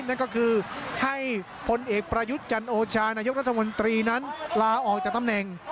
นั่นก็คือให้พลเอกประยุทธ์จันโอชานายกรัฐมนตรีนั้นลาออกจากตำแหน่ง